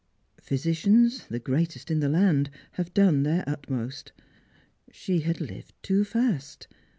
Physicians, the greatest in the land, have done their utter most. She had lived too fast.